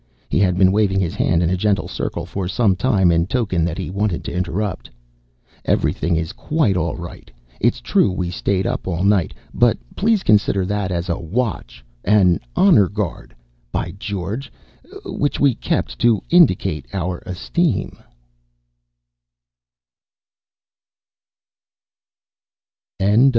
He had been waving his hand in a gentle circle for some time in token that he wanted to interrupt. "Everything is quite all right. It's true we stayed up all night, but please consider that as a watch an honor guard, by George! which we kept to indicate our esteem."